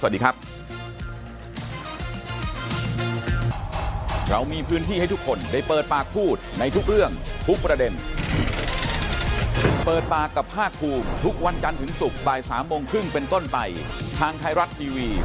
วันนี้ลาไปก่อนครับสวัสดีครับ